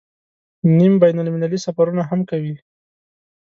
نیم بین المللي سفرونه هم کوي.